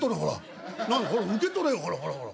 何ほら受け取れよほらほらほら。